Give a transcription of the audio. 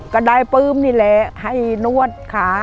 ก็ได้ปลื้มนี่แหละให้นวดขา